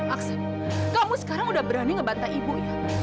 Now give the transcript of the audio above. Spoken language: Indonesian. aksan kamu sekarang udah berani ngebantai ibu ya